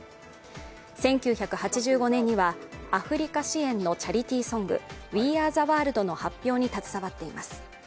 １９８５年にはアフリカ支援のチャリティーソング「ＷｅＡｒｅＴｈｅＷｏｒｌｄ」の発表に関わっています。